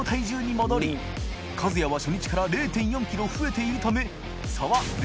困笋初日から０．４ｋｇ増えているため垢錬．